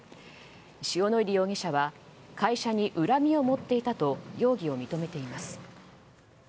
塩野入容疑者は会社に恨みを持っていたと容疑を認めています。